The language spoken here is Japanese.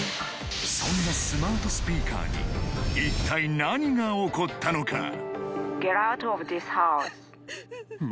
そんなスマートスピーカーに一体何が起こったのか？